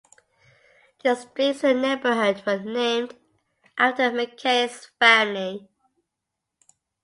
The streets in the neighbourhood were named after McKay's family.